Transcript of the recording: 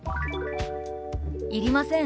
「いりません。